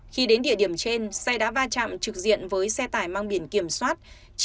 khi đến địa điểm trên xe đã va chạm trực diện với xe tải mang biển kiểm soát chín mươi hai c